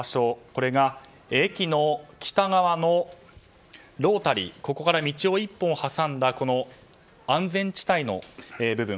これが駅の北側のロータリーから道を１本挟んだ安全地帯の部分。